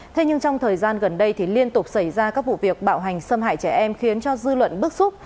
thế nhưng trong thời gian gần đây thì liên tục xảy ra các vụ việc bạo hành xâm hại trẻ em khiến cho dư luận bức xúc